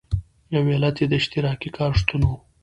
یو علت یې د اشتراکي کار شتون و.